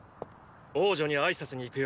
王女に挨拶に行くよ。